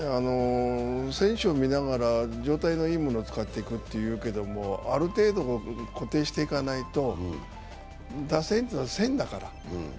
選手を見ながら状態のいい者を使っていくというけれども、ある程度固定していかないと打線というのは線だから。